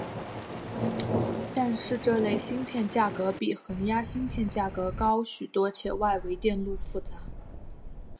但是这类芯片价格比恒压芯片价格高许多且外围电路复杂。